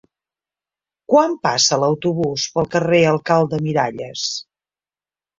Quan passa l'autobús pel carrer Alcalde Miralles?